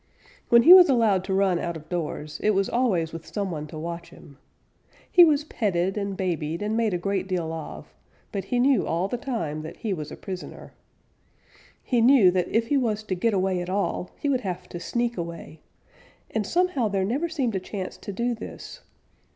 When he was allowed to run out of doors it was always with some one to watch him. He was petted and babied and made a great deal of, but he knew all the time that he was a prisoner. He knew that if he was to get away at all he would have to sneak away, and somehow there never seemed a chance to do this.